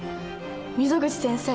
溝口先生